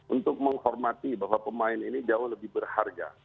untuk menghormati bahwa pemain ini jauh lebih berharga